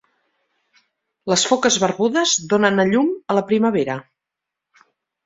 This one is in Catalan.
Les foques barbudes donen a llum a la primavera.